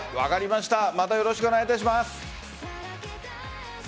またよろしくお願いします。